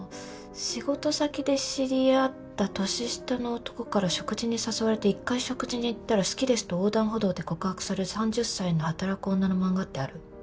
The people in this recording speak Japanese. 仕事先で知り合った年下の男から食事に誘われて一回食事に行ったら「好きです」と横断歩道で告白される３０歳の働く女の漫画ってある？